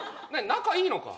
仲いいのか？